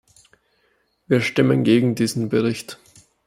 Wir stimmen gegen diesen Bericht.